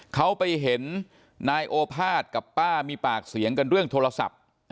เขาไปเห็นนายโอภาษกับป้ามีปากเสียงกันเรื่องโทรศัพท์